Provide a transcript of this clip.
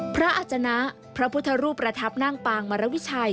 อาจนะพระพุทธรูปประทับนั่งปางมรวิชัย